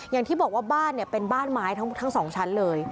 อย่างที่บอกว่าบ้านเนี่ยเป็นบ้านไม้ทั้งสองชั้นเลย